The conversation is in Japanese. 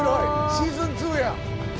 シーズン２や。